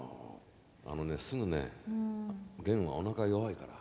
あのねすぐね源はおなか弱いから。